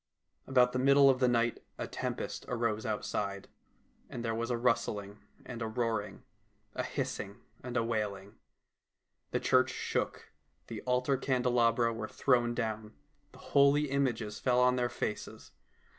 About the middle of the night a tempest arose outside, and there was a rustling and a roaring, a hissing and a waiHng. The church shook, the altar candelabra were thrown down, the holy images fell on their faces.